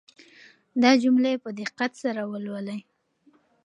دا جملې په دقت سره ولولئ.